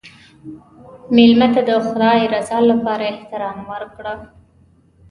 مېلمه ته د خدای رضا لپاره احترام ورکړه.